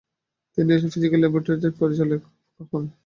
তিনি national physical ল্যাবরেটরির পরিচালক হন।